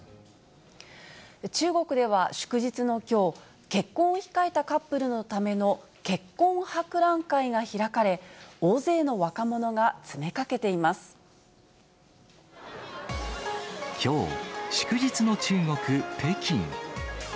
中国では、祝日のきょう、結婚を控えたカップルのための結婚博覧会が開かれ、大勢の若者がきょう、祝日の中国・北京。